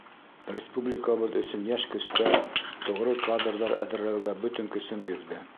Республикабыҙ өсөн йәш көстәр, тоғро кадрҙар әҙерләүгә бөтөн көсөн бирҙе.